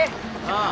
ああ。